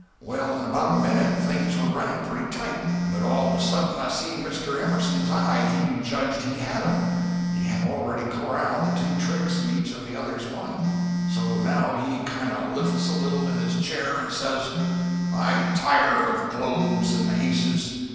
Well, in about a minute, things were running pretty tight, but all of a sudden I see by Mr. Emerson's eye he judged he had 'em. He had already corralled two tricks and each of the others one. So now he kind of lifts a little in his chair and says "'I tire of globes and aces!